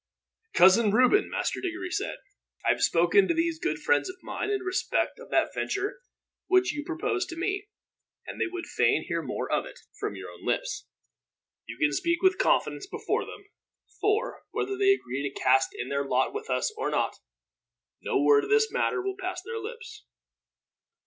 "Cousin Reuben," Master Diggory said, "I have spoken to these good friends of mine in respect of that venture which you proposed to me, and they would fain hear more of it, from your own lips. You can speak with confidence before them; for, whether they agree to cast in their lot with us or not, no word of this matter will pass their lips."